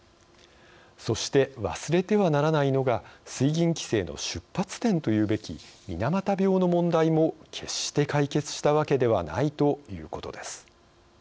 そして、忘れてはならないのが水銀規制の出発点というべき水俣病の問題も決して解決したわけではないということです。